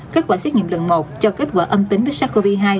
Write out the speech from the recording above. kết quả xét nghiệm lần một cho kết quả âm tính với sars cov hai